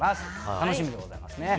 楽しみでございますね。